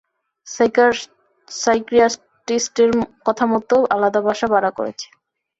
সাইকিয়াট্রিস্টের কথামতো আলাদা বাসা ভাড়া করেছে।